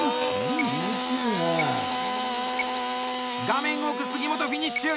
画面奥、杉本、フィニッシュ！